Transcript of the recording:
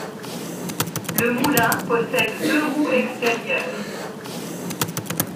Le moulin possède deux roues extérieures.